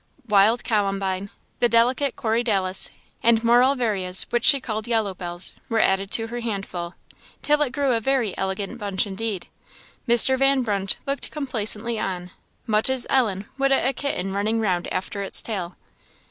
Wild columbine, the delicate corydalis, and more uvularias, which she called yellow bells, were added to her handful, till it grew a very elegant bunch indeed. Mr. Van Brunt looked complacently on, much as Ellen would at a kitten running round after its tail.